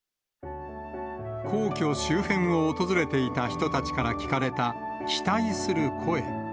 皇居周辺を訪れていた人たちから聞かれた、期待する声。